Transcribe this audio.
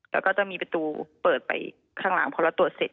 แล้วก็จะมีประตูเปิดไปข้างหลังพอเราตรวจเสร็จ